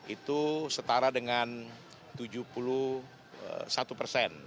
itu setara dengan tujuh puluh satu persen